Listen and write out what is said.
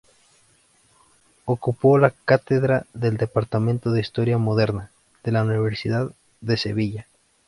Ocupó la cátedra del "Departamento de Historia Moderna" de la Universidad de Sevilla.